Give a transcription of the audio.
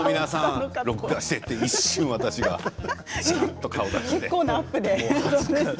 録画していて一瞬、私がちらっと顔を出して。